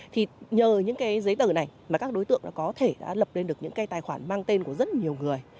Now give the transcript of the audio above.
thì nhờ những cái giấy tờ này mà các đối tượng có thể đã lập lên được những cái tài khoản mang tên của rất nhiều người